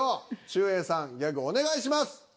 ちゅうえいさんギャグお願いします。